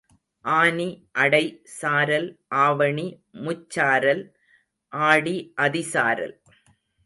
ஆனி அடை சாரல், ஆவணி முச்சாரல், ஆடி அதி சாரல்.